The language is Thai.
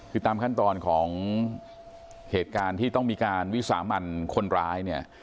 คือตามขั้นตอนของเหตุการณ์ที่ต้องมีการวิสามันคนร้ายเนี่ย